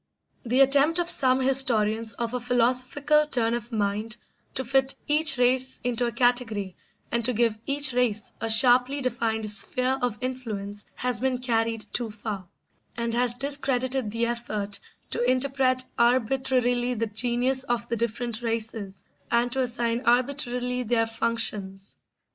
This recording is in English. The attempt of some historians of a philosophical turn of mind to fit each race into a category and to give each race a sharply defined sphere of influence has been carried too far, and has discredited the effort to interpret arbitrarily the genius of the different races and to assign arbitrarily their functions.